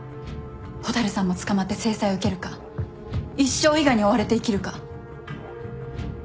蛍さんも捕まって制裁を受けるか一生伊賀に追われて生きるか。